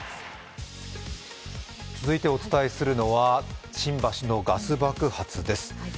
続いてお伝えするのは新橋のガス爆発です。